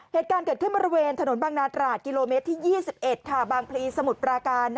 เหตุการณ์เกิดขึ้นบริเวณถนนบางนาตราดกิโลเมตรที่๒๑บางพลีสมุทรปราการ